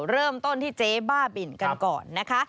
เริ่มต้นที่เจ๊บ้าบินกันก่อนนะคะ